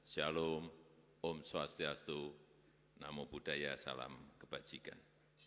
shalom om swastiastu namo buddhaya salam kebajikan